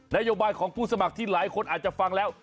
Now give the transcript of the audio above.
โยบายของผู้สมัครที่หลายคนอาจจะฟังแล้ว